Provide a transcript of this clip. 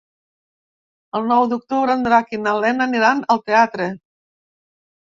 El nou d'octubre en Drac i na Lena aniran al teatre.